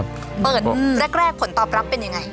เปิดแรกผลตอบรับเป็นยังไง